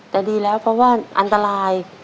แต่ดีแล้วเพราะว่าอันตราย